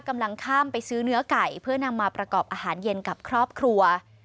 กำลังข้ามไปซื้อเนื้อไก่เพื่อนำมาประกอบอาหารเย็นกับครอบครัว